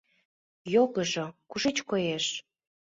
Йогыжо кушеч коеш?